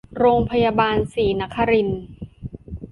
โรงพยาบาลศรีนครินทร์